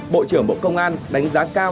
bộ trưởng bộ công an đánh giá cao